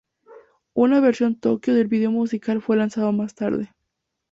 Una "Versión Tokio" del video musical fue lanzado más tarde.